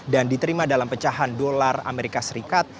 dan diterima dalam pecahan dolar amerika serikat